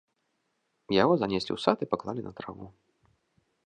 Яго занеслі ў сад і паклалі на траву.